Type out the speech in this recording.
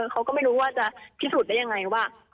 เขาก็ไม่รู้ว่าจะพิสูจน์ได้ยังไงว่า